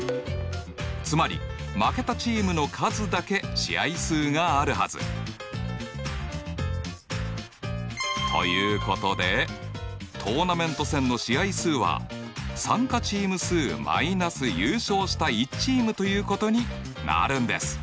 つまり負けたチームの数だけ試合数があるはず。ということでトーナメント戦の試合数は参加チーム数マイナス優勝した１チームということになるんです！